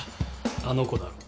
あの子だろ？